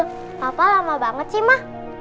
papa lama banget sih ma